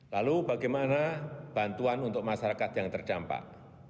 lalu bagaimana bantuan untuk masyarakat yang terdampak